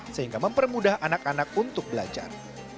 sehingga mempermudah anak anak untuk belajar